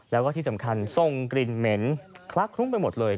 แล้วก็ที่สำคัญทรงกลิ่นเหม็นคลักคลุ้งไปหมดเลย